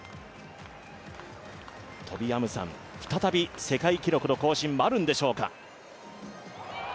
トビ・アムサン、再び世界記録の更新はあるんでしょうか。